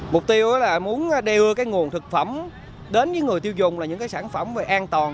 mục tiêu là muốn đưa cái nguồn thực phẩm đến với người tiêu dùng là những cái sản phẩm về an toàn